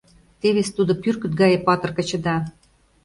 Тевыс тудо пӱркыт гае патыр качыда.